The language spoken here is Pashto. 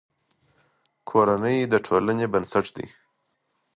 کورنۍ د ټولنې بنسټ دی.